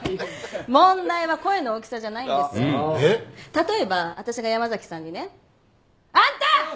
例えば私が山崎さんにねあんた！